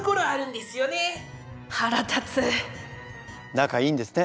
仲いいんですね。